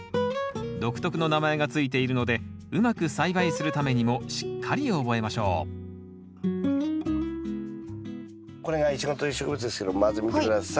独特の名前が付いているのでうまく栽培するためにもしっかり覚えましょうこれがイチゴという植物ですけどもまず見て下さい。